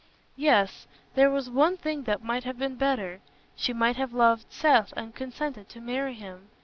Yes, there was one thing that might have been better; she might have loved Seth and consented to marry him.